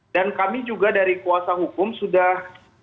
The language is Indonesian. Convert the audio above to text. dan kami juga dari kuasa hukum sudah